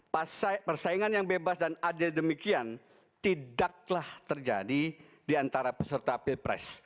pas persaingan yang bebas dan adil demikian tidaklah terjadi di antara peserta pilpres dua ribu sembilan belas